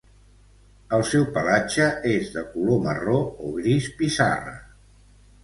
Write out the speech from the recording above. El seu pelatge és de color marró o gris pissarra.